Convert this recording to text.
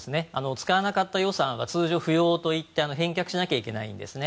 使わなかった予算は通常、不要といって返却しなきゃいけないんですね。